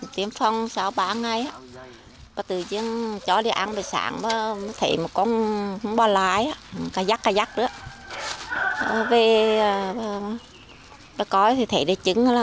tiếng phong sáu tám ngày